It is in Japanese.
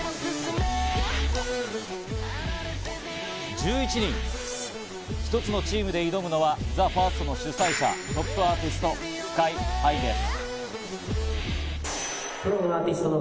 １１人、一つのチームで挑むのはＴＨＥＦＩＲＳＴの主催者、トップアーティスト・ＳＫＹ−ＨＩです。